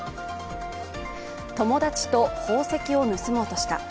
友達と宝石を盗もうとした。